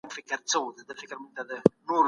زه د سیب په خوړلو بوخت یم.